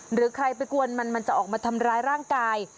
หรือใครไปกวนมันมันจะออกมาทำร้ายร่างกาย